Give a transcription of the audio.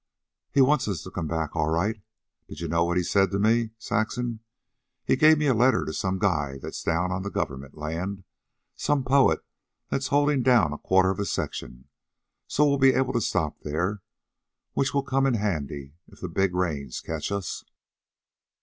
"He wants us to come back all right. D'ye know what he said to me, Saxon? He gave me a letter to some guy that's down on the government land some poet that's holdin' down a quarter of a section so we'll be able to stop there, which'll come in handy if the big rains catch us.